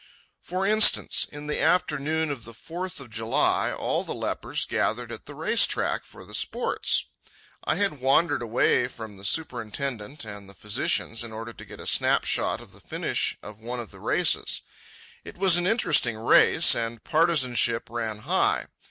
For instance, in the afternoon of the Fourth of July all the lepers gathered at the race track for the sports. I had wandered away from the Superintendent and the physicians in order to get a snapshot of the finish of one of the races. It was an interesting race, and partisanship ran high.